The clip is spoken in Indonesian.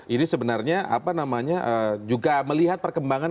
ini sebenarnya apa namanya juga melihat perkembangan